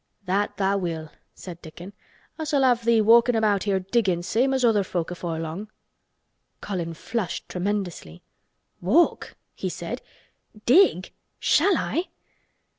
"That tha' will," said Dickon. "Us'll have thee walkin' about here an' diggin' same as other folk afore long." Colin flushed tremendously. "Walk!" he said. "Dig! Shall I?"